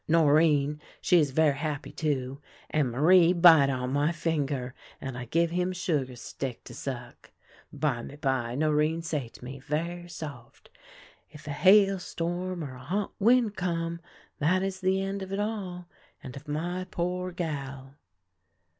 Norinne, she is ver' happy, too, and Marie bite on my finger, and I give him sugar stick to suck. " Bimeby Norinne say to me, ver' soft :' If a hail storm or a hot wind come, that is the end of it all, and of my poor Gal.'